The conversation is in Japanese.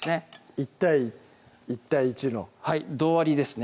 １対１対１のはい同割りですね